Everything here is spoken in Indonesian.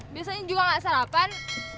biasanya juga enggak sarapan